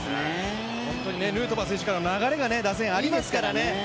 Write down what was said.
ヌートバー選手からの流れが打線、ありますからね。